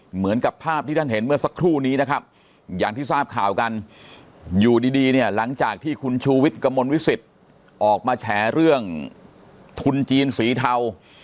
เหมือนกับภาพที่ท่านเห็นเมื่อสักครู่นี้นะครับอย่างที่ทราบข่าวกันอยู่ดีเนี่ยหลังจากที่คุณชูวิทย์กระมวลวิสิตออกมาแฉเรื่องทุนจีนสีเทา